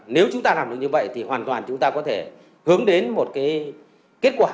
nếu chúng ta làm được như vậy thì hoàn toàn chúng ta có thể hướng đến một kết quả